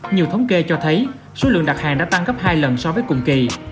nhiều thống kê cho thấy số lượng đặt hàng đã tăng gấp hai lần so với cùng kỳ